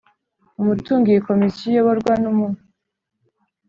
umutungo Iyi komisiyo iyoborwa n umwe